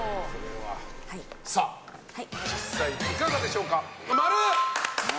さあ、実際いかがでしょうか？